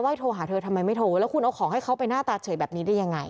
โทรหาเธอทำไมไม่โทรแล้วคุณเอาของให้เขาไปหน้าตาเฉยแบบนี้ได้ยังไง